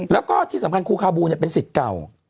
แล้วก็ที่สำคัญครูคาบูเป็นสิทธิ์เก่า